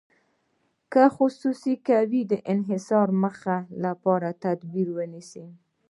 که خصوصي کوي د انحصار مخنیوي لپاره تدابیر ونیسي.